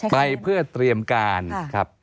ไปเพื่อเตรียมการครับ